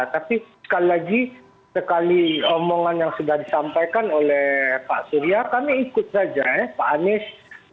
tapi sekali lagi sekali omongan yang sudah disampaikan oleh pak surya kami ikut saja ya pak anies